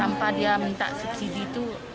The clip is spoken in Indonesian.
tanpa dia minta subsidi itu